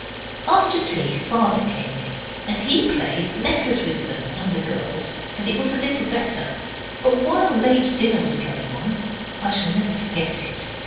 After tea Father came in, and he played 'Letters' with them and the girls, and it was a little better; but while late dinner was going on I shall never forget it.